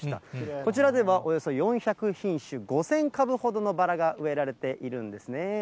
こちらではおよそ４００品種、５０００株ほどのバラが植えられているんですね。